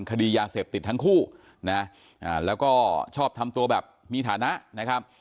คดียาเสพติดทั้งคู่นะแล้วก็ชอบทำตัวแบบมีฐานะนะครับ